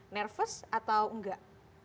nervous atau enggak